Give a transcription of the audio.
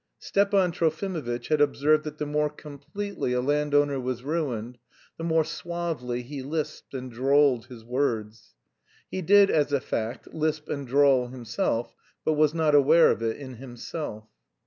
Stepan Trofimovitch had observed that the more completely a landowner was ruined, the more suavely he lisped and drawled his words. He did, as a fact, lisp and drawl himself, but was not aware of it in himself.